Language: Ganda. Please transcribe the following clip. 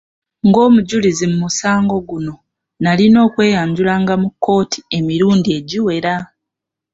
Ng'omujulizi mu musango guno, nalina okweyanjulanga mu kkooti emirundi egiwera.